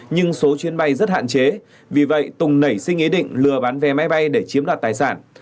nhưng số chuyến bay rất hạn chế vì vậy tùng nảy sinh ý định lừa bán vé máy bay để chiếm đoạt tài sản